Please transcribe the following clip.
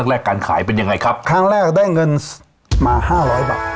แรกการขายเป็นยังไงครับครั้งแรกได้เงินมาห้าร้อยบาท